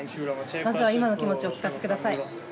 まずは、今の気持ちをお聞かせください。